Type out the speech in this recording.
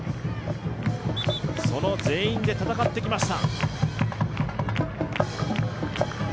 その全員で戦ってきました。